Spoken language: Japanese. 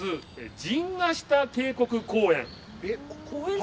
陣ヶ下渓谷公園。